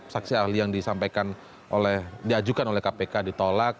saksi ahli yang disampaikan oleh diajukan oleh kpk ditolak